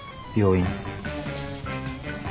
病院。